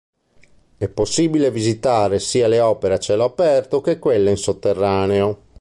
È possibile visitare sia le opere a cielo aperto che quelle in sotterraneo.